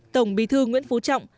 tổng bí thư nguyễn phú trọng